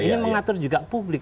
ini mengatur juga publik